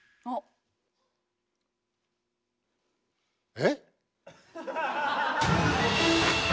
えっ⁉